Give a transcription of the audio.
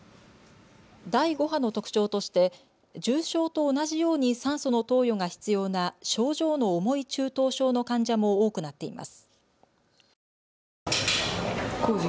第５波の特徴として重症と同じように酸素の投与が必要な症状の重い中等症の患者も多くなっています。